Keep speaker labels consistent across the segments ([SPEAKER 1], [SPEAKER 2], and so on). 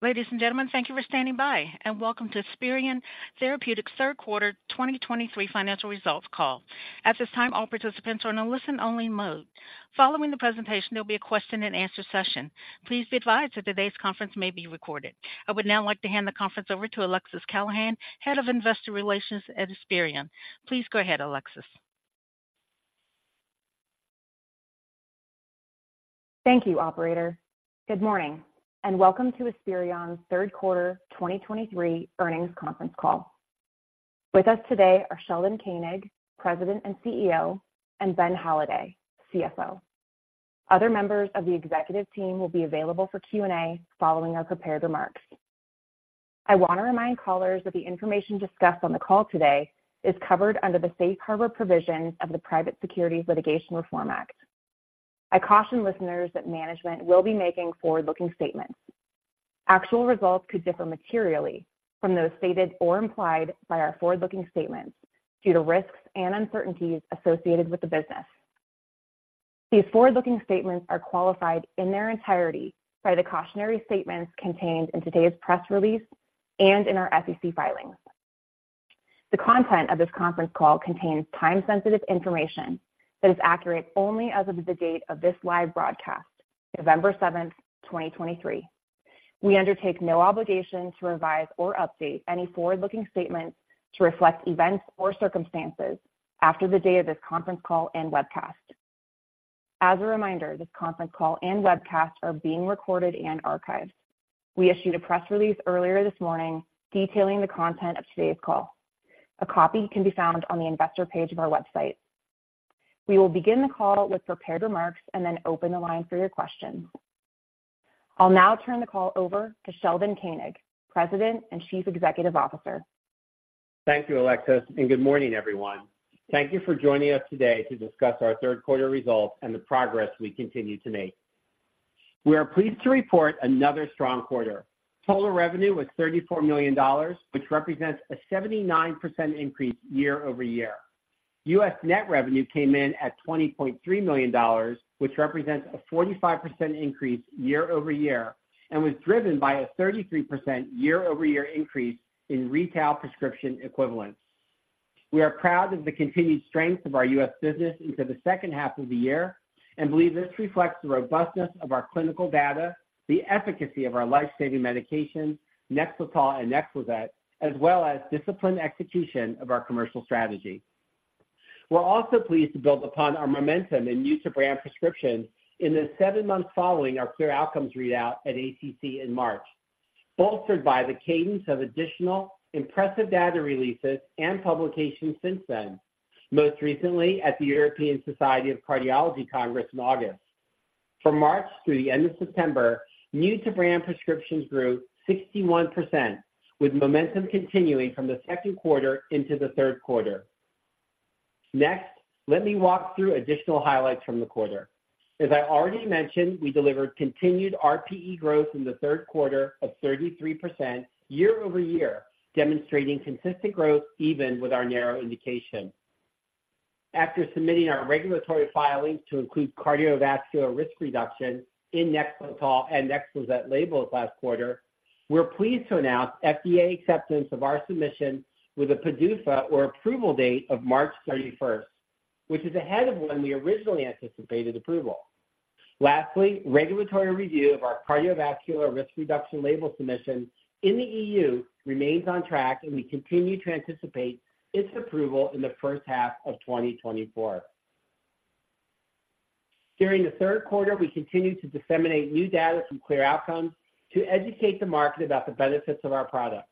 [SPEAKER 1] Ladies and gentlemen, thank you for standing by, and welcome to Esperion Therapeutics' third quarter 2023 financial results call. At this time, all participants are in a listen-only mode. Following the presentation, there'll be a question-and-answer session. Please be advised that today's conference may be recorded. I would now like to hand the conference over to Alexis Callahan, Head of Investor Relations at Esperion. Please go ahead, Alexis.
[SPEAKER 2] Thank you, operator. Good morning, and welcome to Esperion's third quarter 2023 earnings conference call. With us today are Sheldon Koenig, President and CEO, and Ben Halladay, CFO. Other members of the executive team will be available for Q&A following our prepared remarks. I want to remind callers that the information discussed on the call today is covered under the safe harbor provisions of the Private Securities Litigation Reform Act. I caution listeners that management will be making forward-looking statements. Actual results could differ materially from those stated or implied by our forward-looking statements due to risks and uncertainties associated with the business. These forward-looking statements are qualified in their entirety by the cautionary statements contained in today's press release and in our SEC filings. The content of this conference call contains time-sensitive information that is accurate only as of the date of this live broadcast, November 7th, 2023. We undertake no obligation to revise or update any forward-looking statements to reflect events or circumstances after the date of this conference call and webcast. As a reminder, this conference call and webcast are being recorded and archived. We issued a press release earlier this morning detailing the content of today's call. A copy can be found on the investor page of our website. We will begin the call with prepared remarks and then open the line for your questions. I'll now turn the call over to Sheldon Koenig, President and Chief Executive Officer.
[SPEAKER 3] Thank you, Alexis, and good morning, everyone. Thank you for joining us today to discuss our third quarter results and the progress we continue to make. We are pleased to report another strong quarter. Total revenue was $34 million, which represents a 79% increase year-over-year. U.S. net revenue came in at $20.3 million, which represents a 45% increase year-over-year and was driven by a 33% year-over-year increase in retail prescription equivalents. We are proud of the continued strength of our U.S. business into the second half of the year and believe this reflects the robustness of our clinical data, the efficacy of our life-saving medications, NEXLETOL and NEXLIZET, as well as disciplined execution of our commercial strategy. We're also pleased to build upon our momentum in new-to-brand prescriptions in the seven months following our CLEAR Outcomes readout at ACC in March, bolstered by the cadence of additional impressive data releases and publications since then, most recently at the European Society of Cardiology Congress in August. From March through the end of September, new-to-brand prescriptions grew 61%, with momentum continuing from the second quarter into the third quarter. Next, let me walk through additional highlights from the quarter. As I already mentioned, we delivered continued RPE growth in the third quarter of 33% year-over-year, demonstrating consistent growth even with our narrow indication. After submitting our regulatory filings to include cardiovascular risk reduction in NEXLETOL and NEXLIZET labels last quarter, we're pleased to announce FDA acceptance of our submission with a PDUFA or approval date of March 31st, which is ahead of when we originally anticipated approval. Lastly, regulatory review of our cardiovascular risk reduction label submission in the EU remains on track, and we continue to anticipate its approval in the first half of 2024. During the third quarter, we continued to disseminate new data from CLEAR Outcomes to educate the market about the benefits of our products.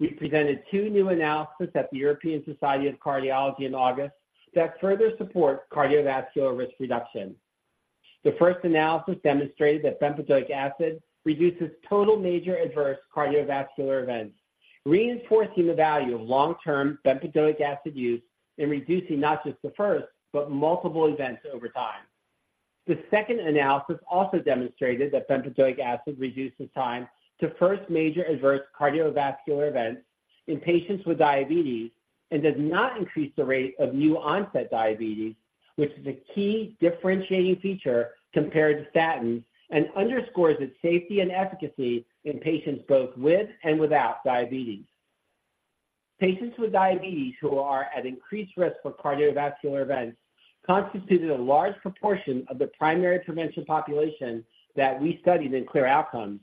[SPEAKER 3] We presented two new analysis at the European Society of Cardiology in August that further support cardiovascular risk reduction. The first analysis demonstrated that bempedoic acid reduces total major adverse cardiovascular events, reinforcing the value of long-term bempedoic acid use in reducing not just the first, but multiple events over time. The second analysis also demonstrated that bempedoic acid reduces time to first major adverse cardiovascular events in patients with diabetes and does not increase the rate of new-onset diabetes, which is a key differentiating feature compared to statins and underscores its safety and efficacy in patients both with and without diabetes. Patients with diabetes who are at increased risk for cardiovascular events constituted a large proportion of the primary prevention population that we studied in CLEAR Outcomes,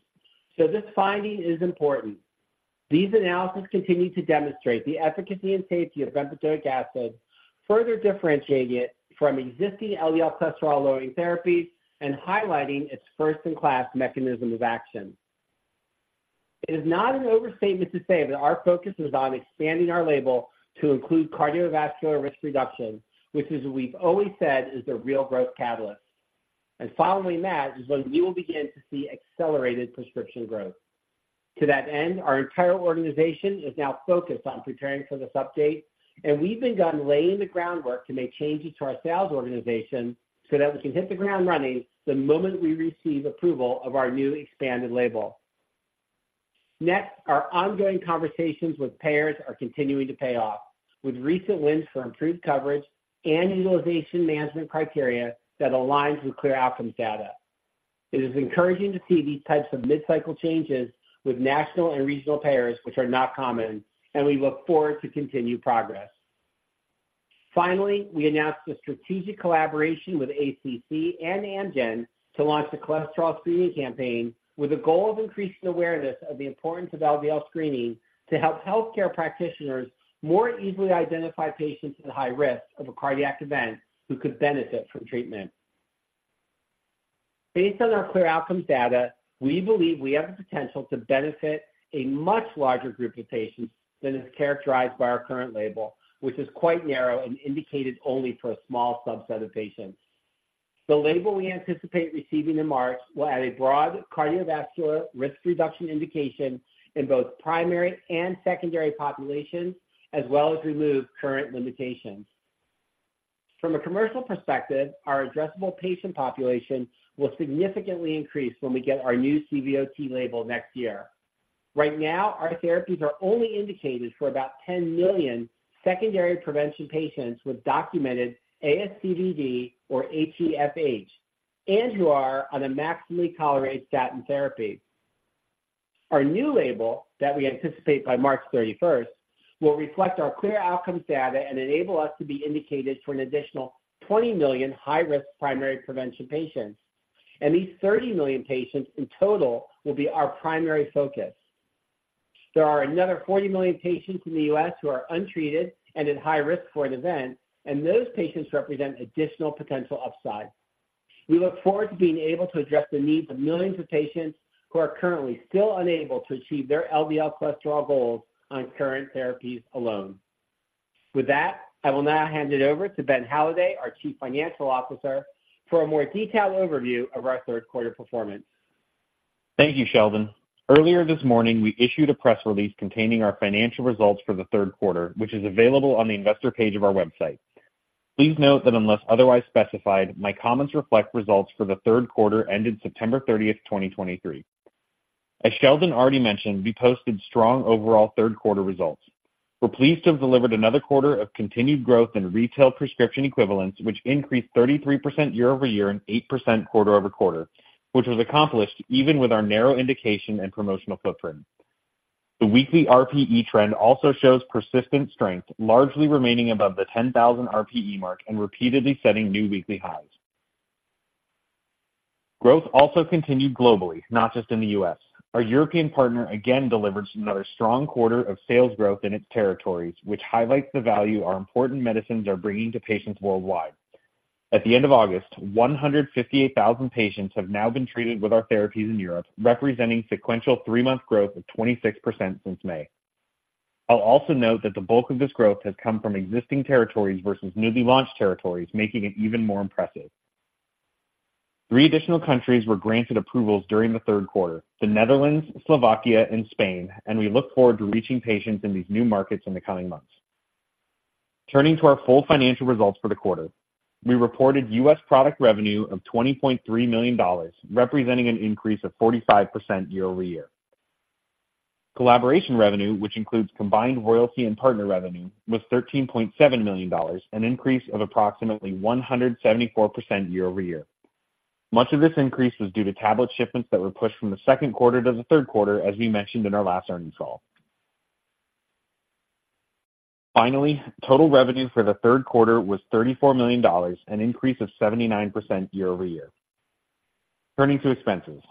[SPEAKER 3] so this finding is important. These analyses continue to demonstrate the efficacy and safety of bempedoic acid, further differentiating it from existing LDL cholesterol-lowering therapies and highlighting its first-in-class mechanism of action. It is not an overstatement to say that our focus is on expanding our label to include cardiovascular risk reduction, which as we've always said, is the real growth catalyst, and following that is when you will begin to see accelerated prescription growth. To that end, our entire organization is now focused on preparing for this update, and we've begun laying the groundwork to make changes to our sales organization so that we can hit the ground running the moment we receive approval of our new expanded label. Next, our ongoing conversations with payers are continuing to pay off, with recent wins for improved coverage and utilization management criteria that align with CLEAR Outcomes data. It is encouraging to see these types of mid-cycle changes with national and regional payers, which are not common, and we look forward to continued progress. Finally, we announced a strategic collaboration with ACC and Amgen to launch the cholesterol screening campaign, with the goal of increasing awareness of the importance of LDL screening to help healthcare practitioners more easily identify patients at high risk of a cardiac event who could benefit from treatment. Based on our CLEAR Outcomes data, we believe we have the potential to benefit a much larger group of patients than is characterized by our current label, which is quite narrow and indicated only for a small subset of patients. The label we anticipate receiving in March will add a broad cardiovascular risk reduction indication in both primary and secondary populations, as well as remove current limitations. From a commercial perspective, our addressable patient population will significantly increase when we get our new CVOT label next year. Right now, our therapies are only indicated for about 10 million secondary prevention patients with documented ASCVD or HeFH, and who are on a maximally tolerated statin therapy. Our new label that we anticipate by March 31st will reflect our CLEAR Outcomes data and enable us to be indicated for an additional 20 million high-risk primary prevention patients. These 30 million patients in total will be our primary focus. There are another 40 million patients in the U.S. who are untreated and at high risk for an event, and those patients represent additional potential upside. We look forward to being able to address the needs of millions of patients who are currently still unable to achieve their LDL cholesterol goals on current therapies alone. With that, I will now hand it over to Ben Halladay, our Chief Financial Officer, for a more detailed overview of our third quarter performance.
[SPEAKER 4] Thank you, Sheldon. Earlier this morning, we issued a press release containing our financial results for the third quarter, which is available on the investor page of our website. Please note that unless otherwise specified, my comments reflect results for the third quarter ended September 30, 2023. As Sheldon already mentioned, we posted strong overall third quarter results. We're pleased to have delivered another quarter of continued growth in retail prescription equivalents, which increased 33% year-over-year and 8% quarter-over-quarter, which was accomplished even with our narrow indication and promotional footprint. The weekly RPE trend also shows persistent strength, largely remaining above the 10,000 RPE mark and repeatedly setting new weekly highs. Growth also continued globally, not just in the U.S. Our European partner again delivered another strong quarter of sales growth in its territories, which highlights the value our important medicines are bringing to patients worldwide. At the end of August, 158,000 patients have now been treated with our therapies in Europe, representing sequential three-month growth of 26% since May. I'll also note that the bulk of this growth has come from existing territories versus newly launched territories, making it even more impressive. Three additional countries were granted approvals during the third quarter: the Netherlands, Slovakia, and Spain, and we look forward to reaching patients in these new markets in the coming months. Turning to our full financial results for the quarter, we reported U.S. product revenue of $20.3 million, representing an increase of 45% year-over-year. Collaboration revenue, which includes combined royalty and partner revenue, was $13.7 million, an increase of approximately 174% year-over-year. Much of this increase was due to tablet shipments that were pushed from the second quarter to the third quarter, as we mentioned in our last earnings call. Finally, total revenue for the third quarter was $34 million, an increase of 79% year-over-year. Turning to expenses.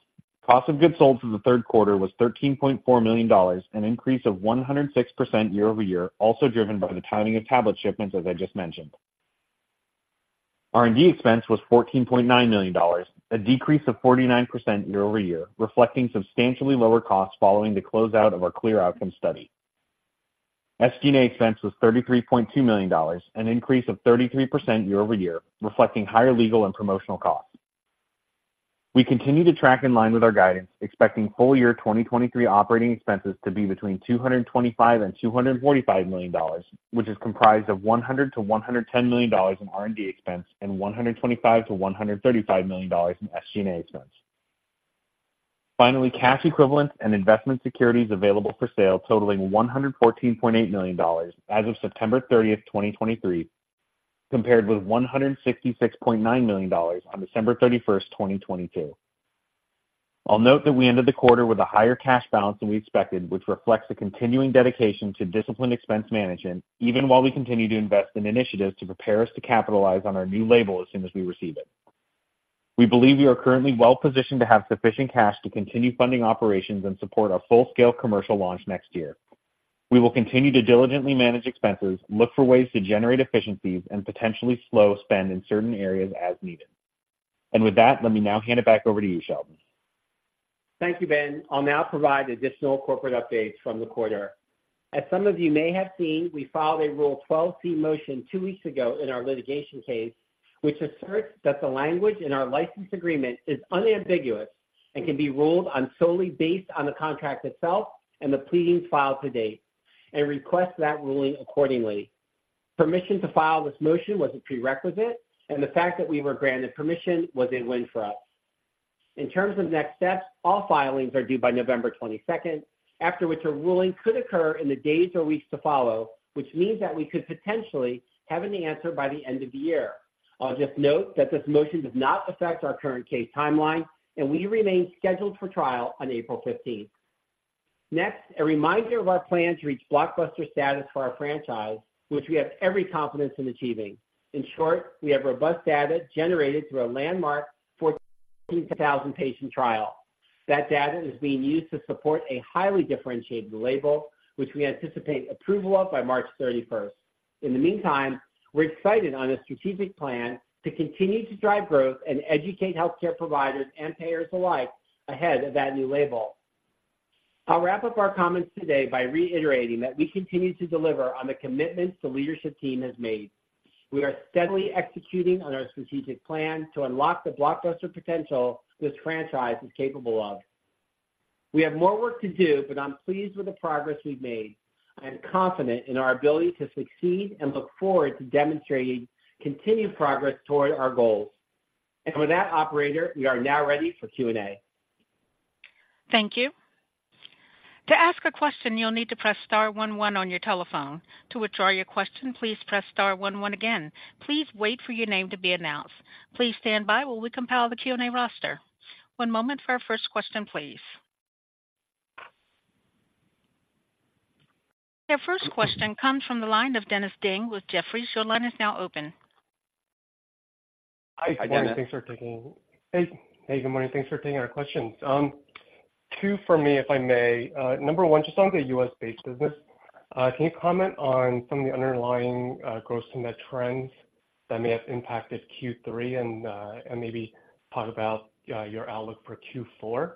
[SPEAKER 4] Cost of goods sold for the third quarter was $13.4 million, an increase of 106% year-over-year, also driven by the timing of tablet shipments, as I just mentioned. R&D expense was $14.9 million, a decrease of 49% year-over-year, reflecting substantially lower costs following the closeout of our CLEAR Outcomes study. SG&A expense was $33.2 million, an increase of 33% year-over-year, reflecting higher legal and promotional costs. We continue to track in line with our guidance, expecting full-year 2023 operating expenses to be between $225 million and $245 million, which is comprised of $100 million-$110 million in R&D expense and $125 million-$135 million in SG&A expense. Finally, cash equivalents and investment securities available for sale totaling $114.8 million as of September 30, 2023, compared with $166.9 million on December 31st, 2022. I'll note that we ended the quarter with a higher cash balance than we expected, which reflects the continuing dedication to disciplined expense management, even while we continue to invest in initiatives to prepare us to capitalize on our new label as soon as we receive it. We believe we are currently well positioned to have sufficient cash to continue funding operations and support our full-scale commercial launch next year. We will continue to diligently manage expenses, look for ways to generate efficiencies, and potentially slow spend in certain areas as needed. With that, let me now hand it back over to you, Sheldon.
[SPEAKER 3] Thank you, Ben. I'll now provide additional corporate updates from the quarter. As some of you may have seen, we filed a Rule 12(c) motion two weeks ago in our litigation case, which asserts that the language in our license agreement is unambiguous and can be ruled on solely based on the contract itself and the pleadings filed to date, and request that ruling accordingly. Permission to file this motion was a prerequisite, and the fact that we were granted permission was a win for us. In terms of next steps, all filings are due by November 22nd, after which a ruling could occur in the days or weeks to follow, which means that we could potentially have an answer by the end of the year. I'll just note that this motion does not affect our current case timeline, and we remain scheduled for trial on April 15. Next, a reminder of our plan to reach blockbuster status for our franchise, which we have every confidence in achieving. In short, we have robust data generated through a landmark 14,000 patient trial. That data is being used to support a highly differentiated label, which we anticipate approval of by March 31st. In the meantime, we're excited on a strategic plan to continue to drive growth and educate healthcare providers and payers alike ahead of that new label. I'll wrap up our comments today by reiterating that we continue to deliver on the commitments the leadership team has made. We are steadily executing on our strategic plan to unlock the blockbuster potential this franchise is capable of. We have more work to do, but I'm pleased with the progress we've made. I am confident in our ability to succeed and look forward to demonstrating continued progress toward our goals. And with that operator, we are now ready for Q&A.
[SPEAKER 1] Thank you. To ask a question, you'll need to press star one, one on your telephone. To withdraw your question, please press star one, one again. Please wait for your name to be announced. Please stand by while we compile the Q&A roster. One moment for our first question, please. Your first question comes from the line of Dennis Ding with Jefferies. Your line is now open.
[SPEAKER 3] Hi, Dennis.
[SPEAKER 5] Hey, good morning. Thanks for taking our questions. Two for me, if I may. Number one, just on the U.S.-based business, can you comment on some of the underlying, gross to net trends that may have impacted Q3 and, and maybe talk about, your outlook for Q4?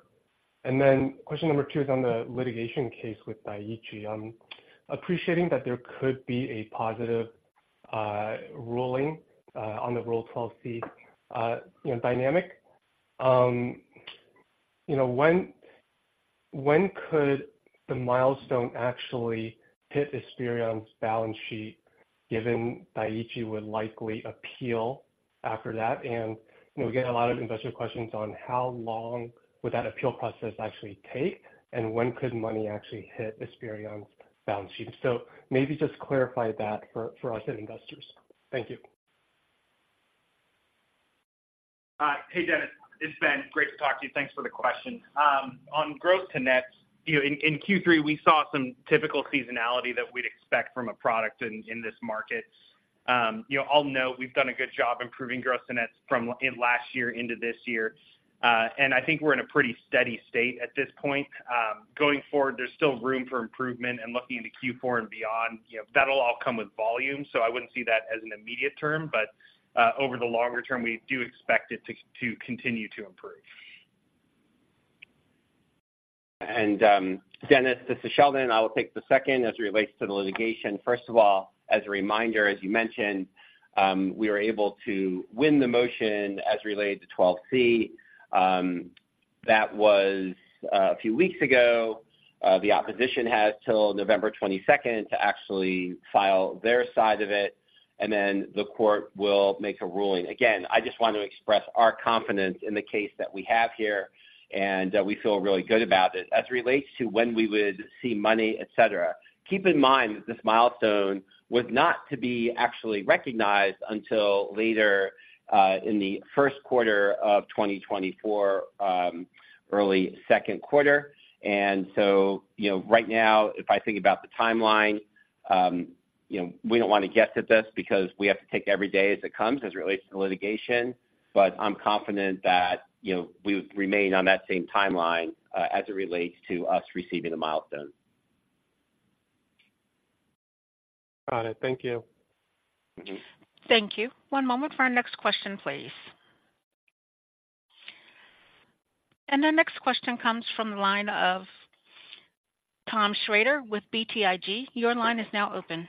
[SPEAKER 5] And then question number two is on the litigation case with Daiichi. Appreciating that there could be a positive, ruling, on the Rule 12(c), you know, dynamic, you know, when, when could the milestone actually hit Esperion's balance sheet, given Daiichi would likely appeal after that? And, you know, we get a lot of investor questions on how long would that appeal process actually take, and when could money actually hit Esperion's balance sheet. So maybe just clarify that for us and investors. Thank you.
[SPEAKER 4] Hey, Dennis, it's Ben. Great to talk to you. Thanks for the question. On gross to net, you know, in Q3, we saw some typical seasonality that we'd expect from a product in this market. You know, I'll note we've done a good job improving gross to nets from last year into this year. And I think we're in a pretty steady state at this point. Going forward, there's still room for improvement and looking into Q4 and beyond, you know, that'll all come with volume, so I wouldn't see that as an immediate term. But over the longer term, we do expect it to continue to improve.
[SPEAKER 3] Dennis, this is Sheldon. I will take the second as it relates to the litigation. First of all, as a reminder, as you mentioned, we were able to win the motion as it related to Rule 12(c). That was a few weeks ago. The opposition has till November 22nd to actually file their side of it, and then the court will make a ruling. Again, I just want to express our confidence in the case that we have here, and we feel really good about it. As it relates to when we would see money, et cetera, keep in mind that this milestone was not to be actually recognized until later in the first quarter of 2024, early second quarter. So, you know, right now, if I think about the timeline, you know, we don't want to guess at this because we have to take every day as it comes, as it relates to the litigation. But I'm confident that, you know, we would remain on that same timeline, as it relates to us receiving the milestone.
[SPEAKER 5] Got it. Thank you.
[SPEAKER 3] Thank you.
[SPEAKER 1] Thank you. One moment for our next question, please. Our next question comes from the line of Tom Schrader with BTIG. Your line is now open.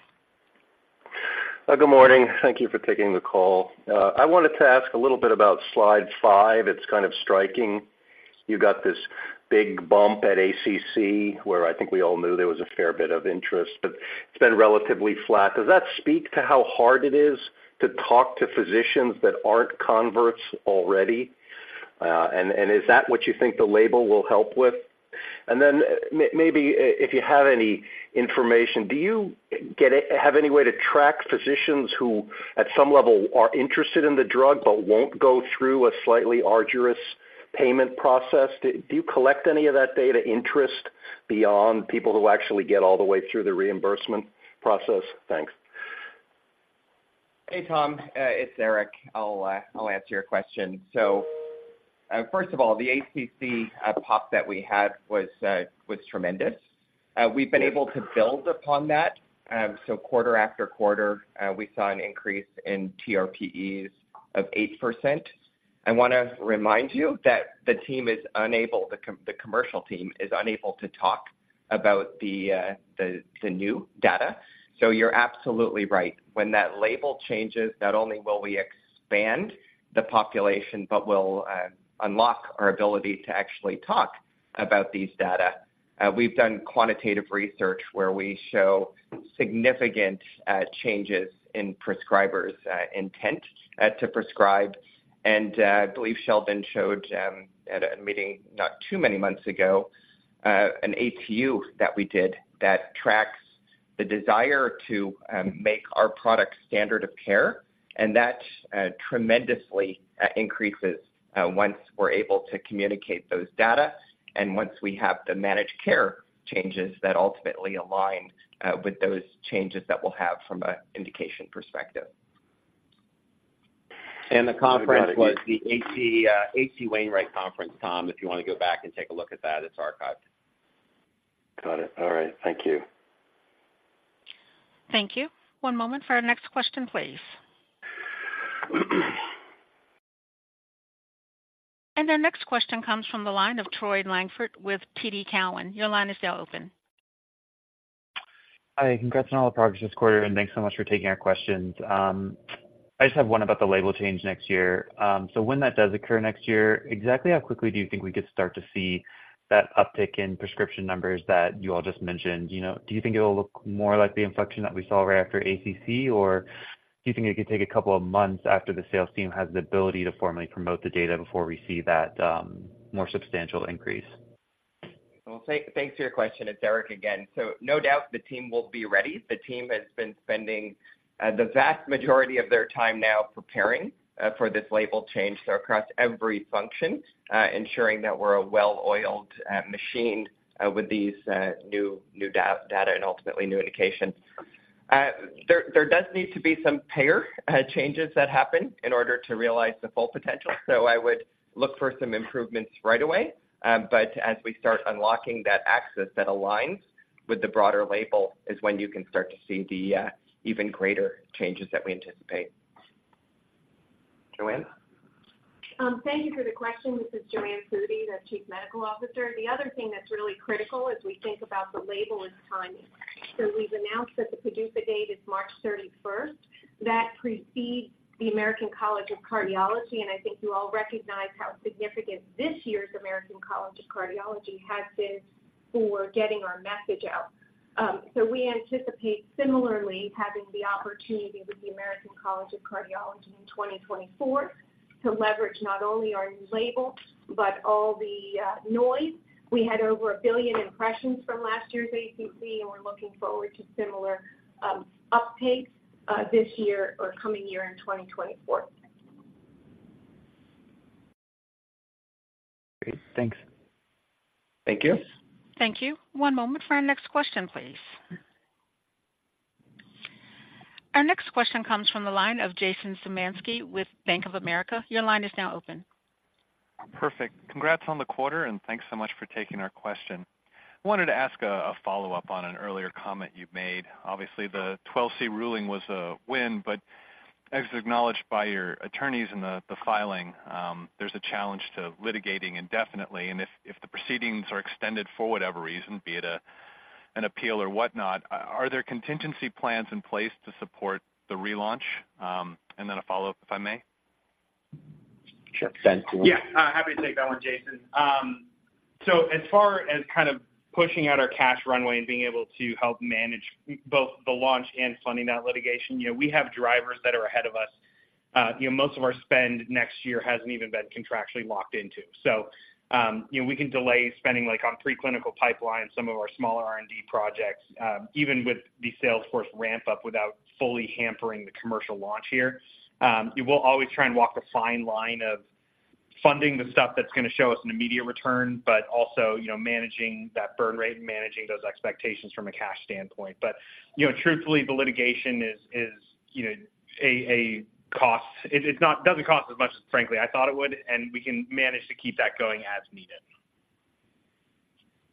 [SPEAKER 6] Good morning. Thank you for taking the call. I wanted to ask a little bit about slide five. It's kind of striking. You've got this big bump at ACC, where I think we all knew there was a fair bit of interest, but it's been relatively flat. Does that speak to how hard it is to talk to physicians that aren't converts already? And is that what you think the label will help with? And then maybe if you have any information, do you have any way to track physicians who, at some level, are interested in the drug but won't go through a slightly arduous payment process? Do you collect any of that data interest beyond people who actually get all the way through the reimbursement process? Thanks.
[SPEAKER 7] Hey, Tom, it's Eric. I'll answer your question. So, first of all, the ACC pop that we had was tremendous. We've been able to build upon that. So quarter after quarter, we saw an increase in RPEs of 8%. I want to remind you that the team is unable, the commercial team is unable to talk about the new data. So you're absolutely right. When that label changes, not only will we expand the population, but we'll unlock our ability to actually talk about these data.... We've done quantitative research where we show significant changes in prescribers' intent to prescribe. I believe Sheldon showed at a meeting not too many months ago an ATU that we did that tracks the desire to make our product standard of care, and that tremendously increases once we're able to communicate those data and once we have the managed care changes that ultimately align with those changes that we'll have from an indication perspective. The conference was the H.C. Wainwright Conference, Tom, if you want to go back and take a look at that, it's archived.
[SPEAKER 6] Got it. All right. Thank you.
[SPEAKER 1] Thank you. One moment for our next question, please. Our next question comes from the line of Troy Langford with TD Cowen. Your line is now open.
[SPEAKER 8] Hi, congrats on all the progress this quarter, and thanks so much for taking our questions. I just have one about the label change next year. So when that does occur next year, exactly how quickly do you think we could start to see that uptick in prescription numbers that you all just mentioned? You know, do you think it will look more like the inflection that we saw right after ACC, or do you think it could take a couple of months after the sales team has the ability to formally promote the data before we see that, more substantial increase?
[SPEAKER 7] Well, thank, thanks for your question. It's Eric again. So no doubt the team will be ready. The team has been spending, uh, the vast majority of their time now preparing, uh, for this label change. So across every function, uh, ensuring that we're a well-oiled, uh, machine, uh, with these, uh, new, new da- data and ultimately new indications. Uh, there, there does need to be some payer, uh, changes that happen in order to realize the full potential. So I would look for some improvements right away. Um, but as we start unlocking that access that aligns with the broader label, is when you can start to see the, uh, even greater changes that we anticipate. JoAnne?
[SPEAKER 9] Thank you for the question. This is JoAnne Foody, the Chief Medical Officer. The other thing that's really critical as we think about the label is timing. So we've announced that the PDUFA date is March 31st. That precedes the American College of Cardiology, and I think you all recognize how significant this year's American College of Cardiology has been for getting our message out. So we anticipate similarly having the opportunity with the American College of Cardiology in 2024 to leverage not only our new label, but all the noise. We had over one billion impressions from last year's ACC, and we're looking forward to similar uptakes this year or coming year in 2024.
[SPEAKER 8] Great. Thanks.
[SPEAKER 7] Thank you.
[SPEAKER 1] Thank you. One moment for our next question, please. Our next question comes from the line of Jason Zemansky with Bank of America. Your line is now open.
[SPEAKER 10] Perfect. Congrats on the quarter, and thanks so much for taking our question. I wanted to ask a follow-up on an earlier comment you made. Obviously, the 12(c) ruling was a win, but as acknowledged by your attorneys in the filing, there's a challenge to litigating indefinitely. And if the proceedings are extended for whatever reason, be it an appeal or whatnot, are there contingency plans in place to support the relaunch? And then a follow-up, if I may.
[SPEAKER 3] Sure. Ben, do you want to-
[SPEAKER 4] Yeah, happy to take that one, Jason. So as far as kind of pushing out our cash runway and being able to help manage both the launch and funding that litigation, you know, we have drivers that are ahead of us. You know, most of our spend next year hasn't even been contractually locked into. So, you know, we can delay spending, like, on preclinical pipeline, some of our smaller R&D projects, even with the sales force ramp-up without fully hampering the commercial launch here. We will always try and walk a fine line of funding the stuff that's going to show us an immediate return, but also, you know, managing that burn rate and managing those expectations from a cash standpoint. But, you know, truthfully, the litigation is, you know, a cost. It doesn't cost as much as frankly I thought it would, and we can manage to keep that going as needed.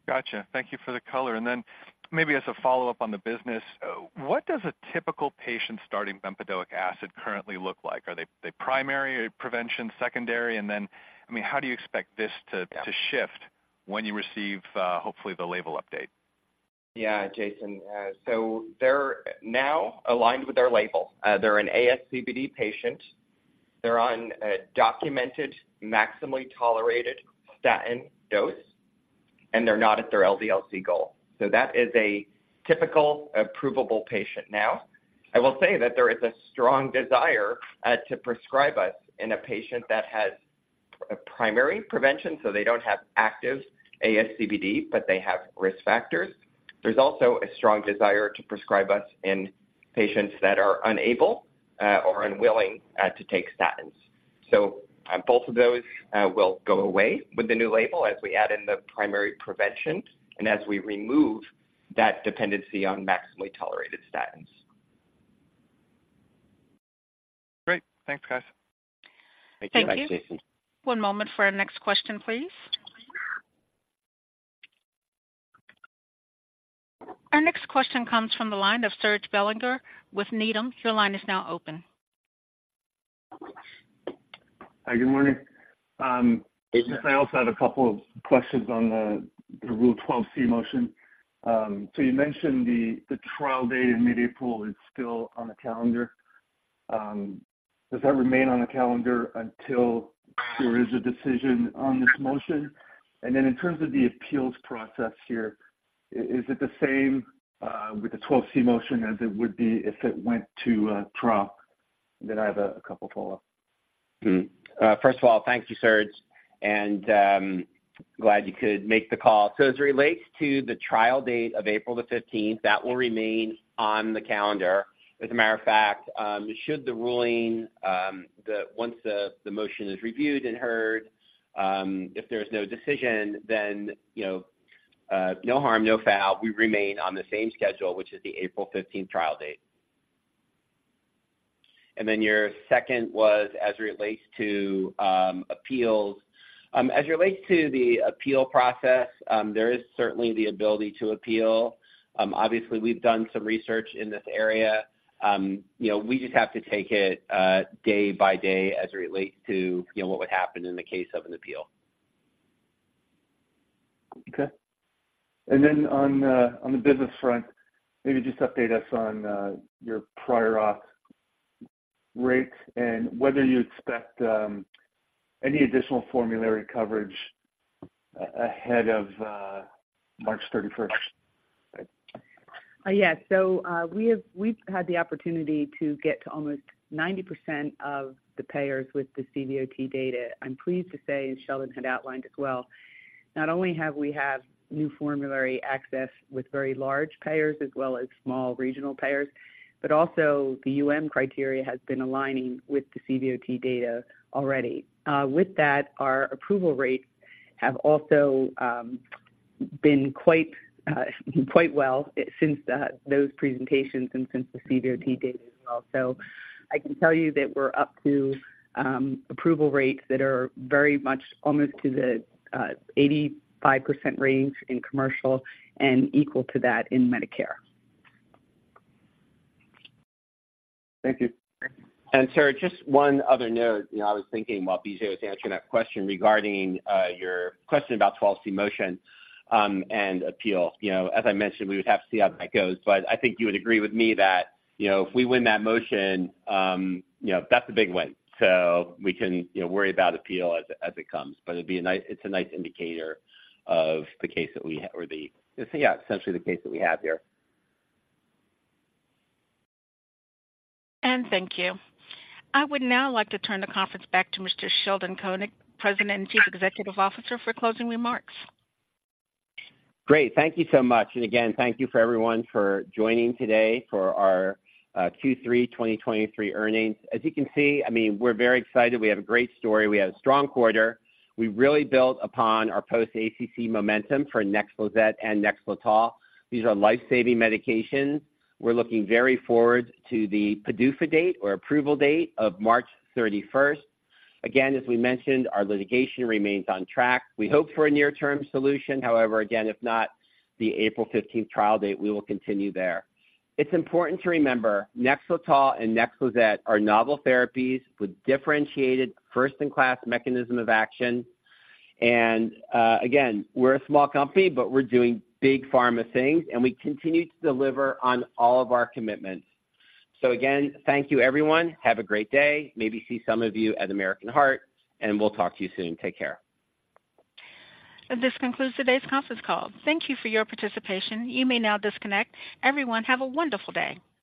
[SPEAKER 10] Gotcha. Thank you for the color. And then maybe as a follow-up on the business, what does a typical patient starting bempedoic acid currently look like? Are they, they primary prevention, secondary? And then, I mean, how do you expect this to-
[SPEAKER 7] Yeah...
[SPEAKER 10] to shift when you receive, hopefully the label update?
[SPEAKER 3] Yeah, Jason. So they're now aligned with our label. They're an ASCVD patient. They're on a documented, maximally tolerated statin dose, and they're not at their LDL-C goal. So that is a typical approvable patient. Now, I will say that there is a strong desire to prescribe us in a patient that has a primary prevention, so they don't have active ASCVD, but they have risk factors. There's also a strong desire to prescribe us in patients that are unable or unwilling to take statins. So both of those will go away with the new label as we add in the primary prevention and as we remove that dependency on maximally tolerated statins.
[SPEAKER 10] Great. Thanks, guys.
[SPEAKER 7] Thank you.
[SPEAKER 1] Thank you.
[SPEAKER 7] Bye, Jason.
[SPEAKER 1] One moment for our next question, please. Our next question comes from the line of Serge Belanger with Needham. Your line is now open.
[SPEAKER 11] Hi, good morning.
[SPEAKER 3] Hey, Serge.
[SPEAKER 11] I also have a couple of questions on the Rule 12(c) motion. So you mentioned the trial date in mid-April is still on the calendar.... Um, does that remain on the calendar until there is a decision on this motion? And then in terms of the appeals process here, is it the same, uh, with the 12(c) motion as it would be if it went to, uh, trial? Then I have a, a couple follow-up.
[SPEAKER 3] Hmm. Uh, first of all, thank you, Serge, and, um, glad you could make the call. So as it relates to the trial date of April the fifteenth, that will remain on the calendar. As a matter of fact, um, should the ruling, um, the-- once the, the motion is reviewed and heard, um, if there's no decision, then, you know, uh, no harm, no foul. We remain on the same schedule, which is the April fifteenth trial date. And then your second was as it relates to, um, appeals. Um, as it relates to the appeal process, um, there is certainly the ability to appeal. Um, obviously, we've done some research in this area. Um, you know, we just have to take it, uh, day by day as it relates to, you know, what would happen in the case of an appeal.
[SPEAKER 11] Okay. And then on the business front, maybe just update us on your prior auth rates and whether you expect any additional formulary coverage ahead of March 31st?
[SPEAKER 12] Uh, yes. So, uh, we have-- we've had the opportunity to get to almost ninety percent of the payers with the CVOT data. I'm pleased to say, and Sheldon had outlined as well, not only have we have new formulary access with very large payers as well as small regional payers, but also the UM criteria has been aligning with the CVOT data already. Uh, with that, our approval rates have also, um, been quite, uh, quite well since the, those presentations and since the CVOT data as well. So I can tell you that we're up to, um, approval rates that are very much almost to the, uh, eighty-five percent range in commercial and equal to that in Medicare.
[SPEAKER 11] Thank you.
[SPEAKER 3] And, Serge, just one other note. You know, I was thinking while BJ was answering that question regarding, uh, your question about 12(c) motion, um, and appeal. You know, as I mentioned, we would have to see how that goes. But I think you would agree with me that, you know, if we win that motion, um, you know, that's a big win. So we can, you know, worry about appeal as, as it comes. But it'd be a nice -- it's a nice indicator of the case that we ha-- or the, yeah, essentially the case that we have here.
[SPEAKER 1] Thank you. I would now like to turn the conference back to Mr. Sheldon Koenig, President and Chief Executive Officer, for closing remarks.
[SPEAKER 3] Great. Thank you so much. And again, thank you for everyone for joining today for our, uh, Q3 2023 earnings. As you can see, I mean, we're very excited. We have a great story. We had a strong quarter. We really built upon our post-ACC momentum for NEXLIZET and NEXLETOL. These are life-saving medications. We're looking very forward to the PDUFA date or approval date of March thirty-first. Again, as we mentioned, our litigation remains on track. We hope for a near-term solution. However, again, if not, the April fifteenth trial date, we will continue there. It's important to remember, NEXLETOL and NEXLIZET are novel therapies with differentiated first-in-class mechanism of action. And, uh, again, we're a small company, but we're doing big pharma things, and we continue to deliver on all of our commitments. So again, thank you, everyone. Have a great day. Maybe see some of you at American Heart, and we'll talk to you soon. Take care.
[SPEAKER 1] This concludes today's conference call. Thank you for your participation. You may now disconnect. Everyone, have a wonderful day.